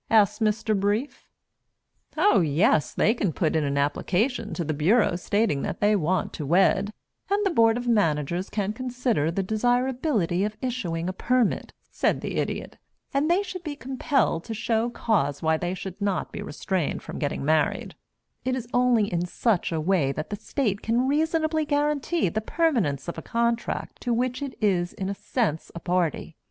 asked Mr. Brief. "Oh yes they can put in an application to the Bureau stating that they want to wed, and the Board of Managers can consider the desirability of issuing a permit," said the Idiot. "And they should be compelled to show cause why they should not be restrained from getting married. It is only in such a way that the state can reasonably guarantee the permanence of a contract to which it is in a sense a party.